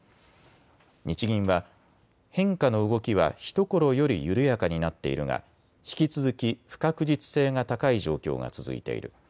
日銀は変化の動きはひところより緩やかになっているが引き続き不確実性が高い状況が続いている。